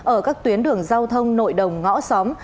ở các tuyến đường giao thông nội đồng ngõ xóm